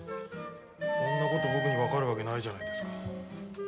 そんなこと僕に分かるわけないじゃないですか。